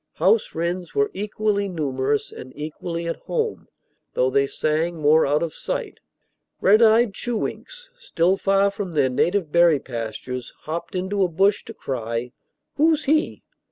House wrens were equally numerous and equally at home, though they sang more out of sight. Red eyed chewinks, still far from their native berry pastures, hopped into a bush to cry, "Who's he?"